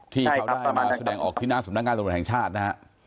ที่เขาได้แสดงออกจากสำนักงานสนุนแห่งชาตินะครับ